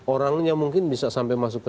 orangnya mungkin bisa sampai masuk ke